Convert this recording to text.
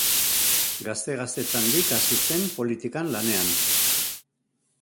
Gazte-gaztetandik hasi zen politikan lanean.